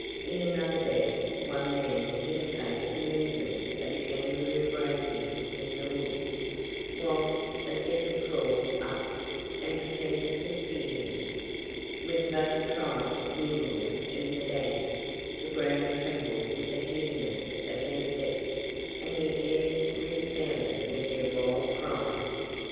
In another dance, one man imitated the movements of a kangaroo grazing in the woods, whilst a second crawled up, and pretended to spear him. When both tribes mingled in the dance, the ground trembled with the heaviness of their steps, and the air resounded with their wild cries.